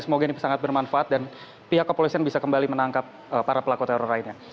semoga ini sangat bermanfaat dan pihak kepolisian bisa kembali menangkap para pelaku teror lainnya